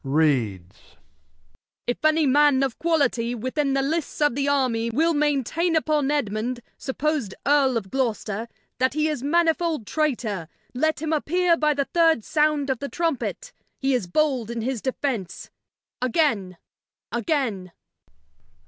[Herald reads. Act v] King Lear 245 // any Man of Quality, within the Lists of the Army, will maintain upon Edmund, suppos'd Earl of Gloster, that he is a manifold Traitor, let him appear by the third Sound of the Trum pet ; he is bold in his Defence. Agen, agen.